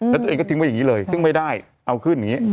แล้วตัวเองก็ทิ้งไว้อย่างนี้เลยซึ่งไม่ได้เอาขึ้นอย่างนี้